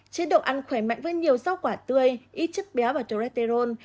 chế độ ăn khỏe mạnh với nhiều rau quả tươi ít chất béo và toretterol